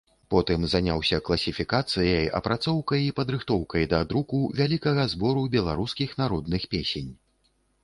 Потым заняўся класіфікацыяй, апрацоўкай і падрыхтоўкай да друку вялікага збору беларускіх народных песень.